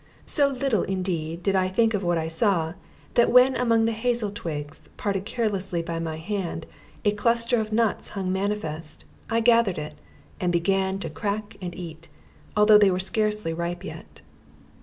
So little, indeed, did I think of what I saw, that when among the hazel twigs, parted carelessly by my hand, a cluster of nuts hung manifest, I gathered it, and began to crack and eat, although they were scarcely ripe yet.